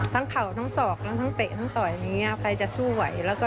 ทั้งเข่าทั้งสอกและทั้งเตะทั้งต่อยใครจะสู้ไหว